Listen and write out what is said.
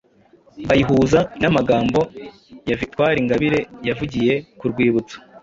bayihuza n'amagambo ya Victoire Ingabire yavugiye ku rwibutso